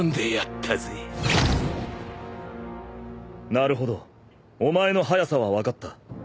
なるほどお前の速さは分かった。